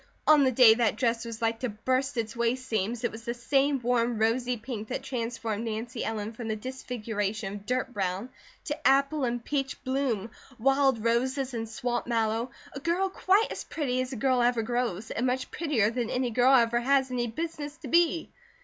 On the day that dress was like to burst its waist seams, it was the same warm rosy pink that transformed Nancy Ellen from the disfiguration of dirt brown to apple and peach bloom, wild roses and swamp mallow, a girl quite as pretty as a girl ever grows, and much prettier than any girl ever has any business to be.